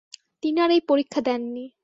তিনি আর এই পরীক্ষা দেননি।